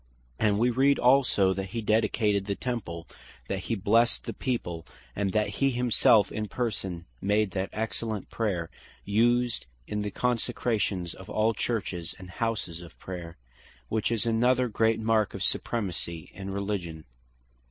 And we read also (1 Kings 8.) that hee dedicated the Temple; that he blessed the People; and that he himselfe in person made that excellent prayer, used in the Consecrations of all Churches, and houses of Prayer; which is another great mark of Supremacy in Religion.